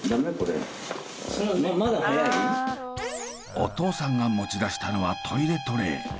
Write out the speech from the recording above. お父さんが持ち出したのはトイレトレー。